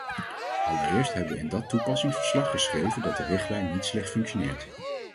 Allereerst hebben we in dat toepassingsverslag geschreven dat de richtlijn niet slecht functioneert.